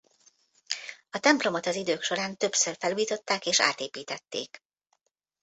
A templomot az idők során többször felújították és átépítették.